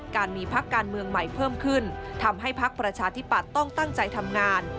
การมีพักการเมืองใหม่เพิ่มขึ้นทำให้พักประชาธิปัตย์ต้องตั้งใจทำงาน